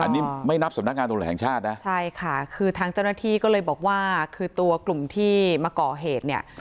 อันนี้ไม่นับสำนักงานตำรวจแห่งชาตินะใช่ค่ะคือทางเจ้าหน้าที่ก็เลยบอกว่าคือตัวกลุ่มที่มาก่อเหตุเนี่ย